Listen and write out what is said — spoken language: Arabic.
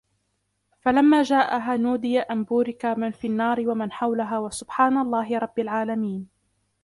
فلما جاءها نودي أن بورك من في النار ومن حولها وسبحان الله رب العالمين